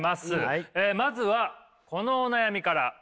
まずはこのお悩みから。